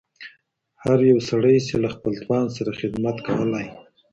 هر یو سړی سي له خپل توان سره خدمت کولای